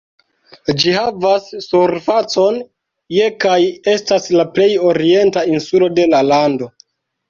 Ĝi havas surfacon je kaj estas la plej orienta insulo de la lando.